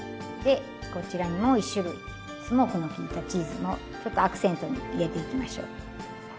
でこちらにもう一種類スモークのきいたチーズもちょっとアクセントに入れていきましょう。